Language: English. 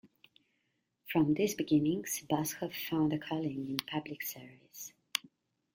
From these beginnings, Bazhov found a calling in public service.